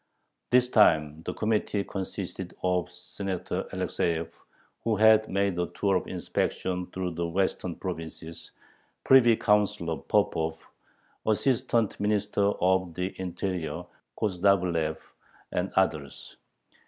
This time the committee consisted of Senator Alexeyev, who had made a tour of inspection through the western provinces, Privy Councilor Popov, Assistant Minister of the Interior Kozodavlev, and others.